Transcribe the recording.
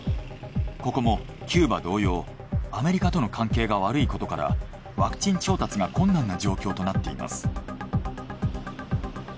ここもキューバ同様アメリカとの関係が悪いことからワクチン調達が困難な状況となっています。